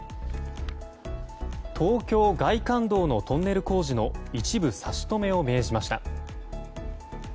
東京外環道のトンネル工事の一部差し止めを命じました。